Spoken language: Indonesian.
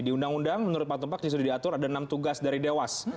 di undang undang menurut pak tumpak yang sudah diatur ada enam tugas dari dewas